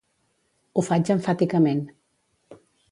Ho faig emfàticament.